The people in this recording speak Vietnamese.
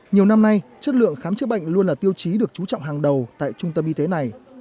nhiều năm nay chất lượng khám chữa bệnh luôn là tiêu chí được chú trọng hàng đầu tại trung tâm y tế này